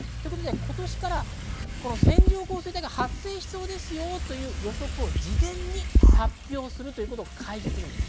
今年から線状降水帯が発生しそうですよという予測を事前に発表するということを開示します。